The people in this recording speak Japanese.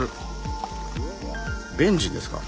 ベンジンですか。